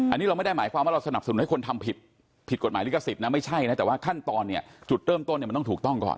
อันนี้เราไม่ได้หมายความว่าเราสนับสนุนให้คนทำผิดผิดกฎหมายลิขสิทธิ์นะไม่ใช่นะแต่ว่าขั้นตอนเนี่ยจุดเริ่มต้นเนี่ยมันต้องถูกต้องก่อน